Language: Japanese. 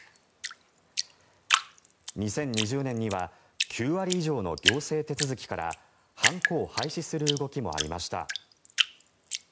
２０２０年には９割以上の行政手続きから判子を廃止する動きもありました。